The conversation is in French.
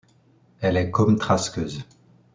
Elle est comme trasqueuse.